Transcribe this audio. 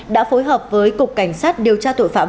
đã phối hợp với cục cảnh sát điều tra tội phạm